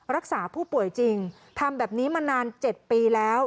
รักษาผู้ป่วยจริงทำแบบนี้มานาน๗ปีแล้ว